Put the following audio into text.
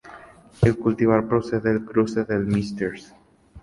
El cultivar procede del cruce de 'Mrs.